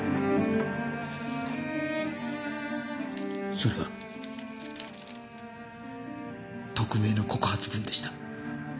それが匿名の告発文でした。